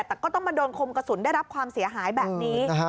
แต่ก็ต้องมาโดนคมกระสุนได้รับความเสียหายแบบนี้